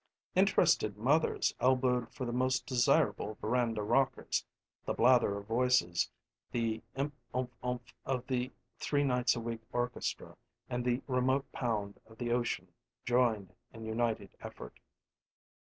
Interested mothers elbowed for the most desirable veranda rockers; the blather of voices, the emph umph umph of the three nights a week orchestra and the remote pound of the ocean joined in united effort.